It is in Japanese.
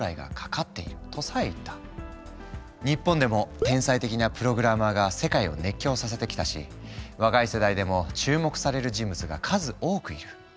日本でも天才的なプログラマーが世界を熱狂させてきたし若い世代でも注目される人物が数多くいる。